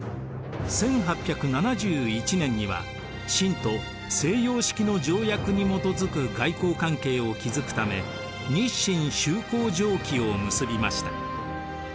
１８７１年には清と西洋式の条約に基づく外交関係を築くため日清修好条規を結びました。